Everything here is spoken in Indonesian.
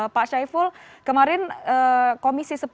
pak syai fulhuda kemarin komisi sepuluh dpr ri